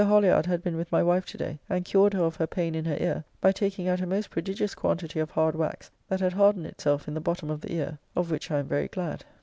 Holliard had been with my wife to day, and cured her of her pain in her ear by taking out a most prodigious quantity of hard wax that had hardened itself in the bottom of the ear, of which I am very glad.